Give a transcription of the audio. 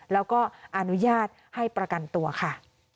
แล้วก็อนุญาตให้ประกันตัวค่ะ